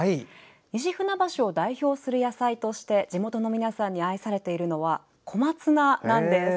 西船橋を代表する野菜として地元の皆さんに愛されているのは小松菜なんです。